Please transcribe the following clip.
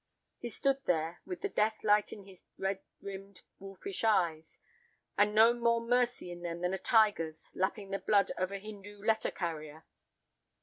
"'He stood there, with the death light in his red rimmed, wolfish eyes, and no more mercy in them than a tiger's, lapping the blood of a Hindoo letter carrier.